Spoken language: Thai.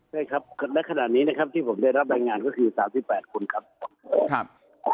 ใช่ครับณขณะนี้นะครับที่ผมได้รับรายงานก็คือ๓๘คนครับ